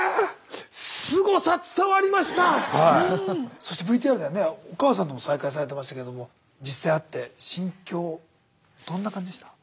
そしてＶＴＲではねお母さんとも再会されてましたけれども実際会って心境どんな感じでした？